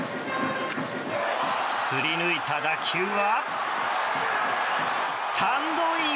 振り抜いた打球はスタンドイン！